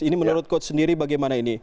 ini menurut coach sendiri bagaimana ini